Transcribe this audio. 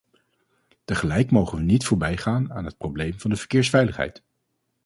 Tegelijk mogen we niet voorbijgaan aan het probleem van de verkeersveiligheid.